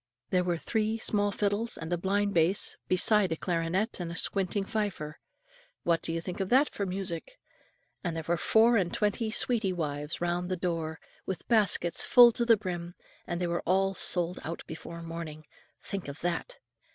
There were three small fiddles and a blind bass, besides a clarionet and a squinting fifer; what do you think of that for music? And there were four and twenty "sweetie wives" round the door, with baskets full to the brim; and they were all sold out before morning, think of that.